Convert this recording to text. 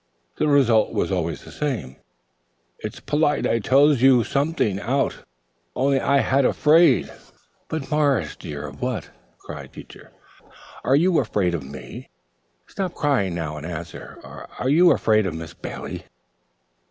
The result was always the same: "It's polite I tells you something out, on'y I had a fraid." "But, Morris, dear, of what?" cried Teacher. "Are you afraid of me? Stop crying now and answer. Are you afraid of Miss Bailey?"